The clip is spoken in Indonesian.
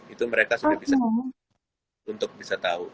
itu mereka sudah bisa tahu